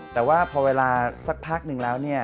แต่พอเวลาสักพักนึงละ